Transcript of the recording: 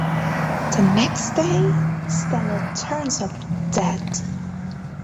The next day, Stella turns up dead.